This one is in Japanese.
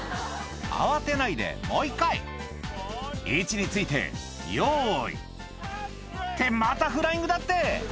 慌てないでもう１回「位置についてよい」ってまたフライングだって！